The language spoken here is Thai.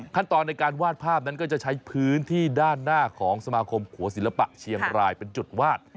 ขั้นตอนในการวาดภาพนั้นก็จะใช้พื้นที่ด้านหน้าของสมาคมขัวศิลปะเชียงรายเป็นจุดวาด